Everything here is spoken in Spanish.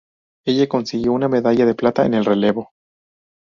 Ella consiguió una medalla de plata en el relevo.